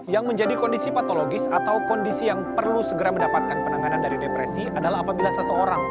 yang menjadi kondisi patologis atau kondisi yang perlu segera mendapatkan penanganan dari depresi adalah apabila seseorang